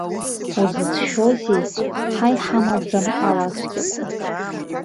Узыцәшәозеи, ҳа иҳамаӡам алацәгьақәа.